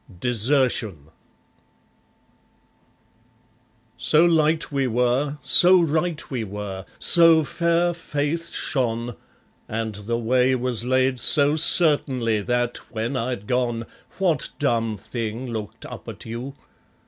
Desertion So light we were, so right we were, so fair faith shone, And the way was laid so certainly, that, when I'd gone, What dumb thing looked up at you?